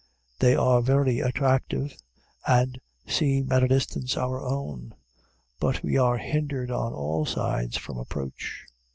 They are very attractive, and seem at a distance our own; but we are hindered on all sides from approach.